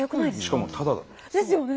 しかもタダだって。ですよね。